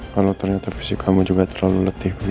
kalau ternyata fisik kamu juga terlalu letih